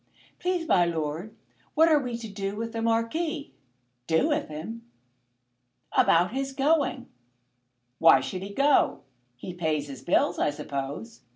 "Please, my lord, what are we to do with the Marquis?" "Do with him!" "About his going." "Why should he go? He pays his bills, I suppose?"